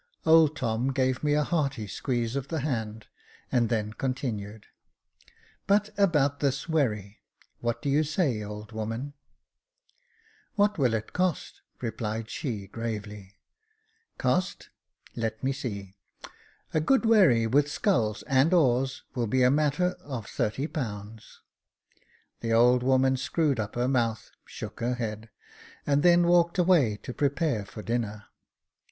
Old Tom gave me a hearty squeeze of the hand, and then continued ;" But about this wherry — what do you say, old woman ?" "What will it cost ?" replied she, gravely. *' Cost ; let me see, — a good wherry with sculls and oars, will be a matter of thirty pounds." The old woman screwed up her mouth, shook her head, and then walked away to prepare for dinner.